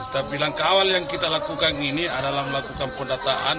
tapi langkah awal yang kita lakukan ini adalah melakukan pendataan